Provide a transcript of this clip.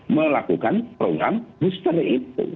melakukan program booster itu